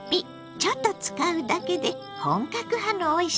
ちょっと使うだけで本格派のおいしさだったわ。